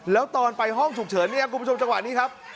แล้วตอนไปห้องฉุกเฉินเนี่ยคุณผู้ชมจังหวะนี้ครับ